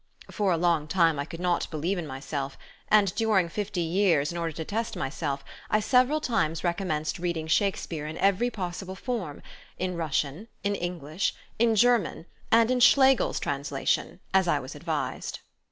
For a long time I could not believe in myself, and during fifty years, in order to test myself, I several times recommenced reading Shakespeare in every possible form, in Russian, in English, in German and in Schlegel's translation, as I was advised.